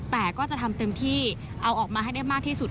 แต่ก็จะทำเต็มที่เอาออกมาให้ได้มากที่สุด